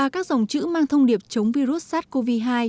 các ngọn nến được thắp sáng theo hình bản đồ ấn độ